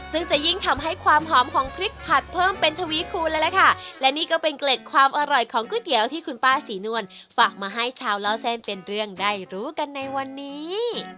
ซึ่งจะยิ่งทำให้ความหอมของพริกผัดเพิ่มเป็นทวีคูณเลยล่ะค่ะและนี่ก็เป็นเกล็ดความอร่อยของก๋วยเตี๋ยวที่คุณป้าศรีนวลฝากมาให้ชาวเล่าเส้นเป็นเรื่องได้รู้กันในวันนี้